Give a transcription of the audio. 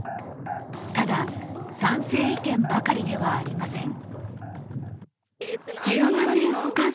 ただ、賛成意見ばかりではありません。